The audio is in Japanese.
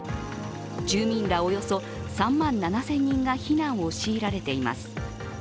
住民らおよそ３万７０００人が避難を強いられています。